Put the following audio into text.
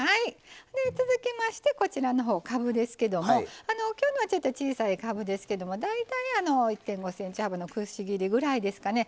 続きましてこちらのほうかぶですけども今日のはちょっと小さいかぶですけども大体１．５ｃｍ幅のくし切りぐらいですかね。